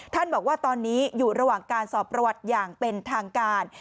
บอกว่าตอนนี้อยู่ระหว่างการสอบประวัติอย่างเป็นทางการ